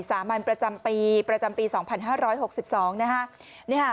สามัญประจำปีประจำปี๒๕๖๒นะฮะ